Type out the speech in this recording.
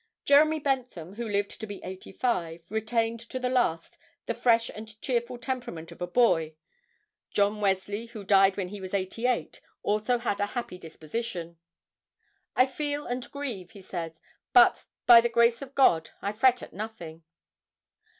Jeremy Bentham, who lived to be eighty five, retained to the last the fresh and cheerful temperament of a boy. John Wesley, who died when he was eighty eight, also had a happy disposition. "I feel and grieve," he says, "but by the grace of God I fret at nothing."